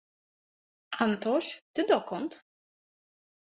Antoś, ty dokąd?